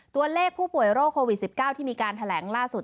ตัวเลขผู้ป่วยโรคโควิด๑๙ที่มีการแถลงล่าสุด